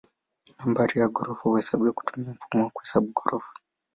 Nambari ya ghorofa huhesabiwa kutumia mfumo wa kuhesabu ghorofa.